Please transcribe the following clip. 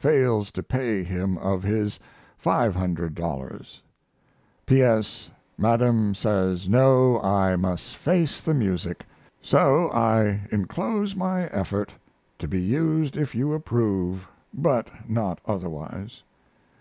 fails to pay him of his $500. [P. S. Madam says No, I must face the music. So I inclose my effort to be used if you approve, but not otherwise.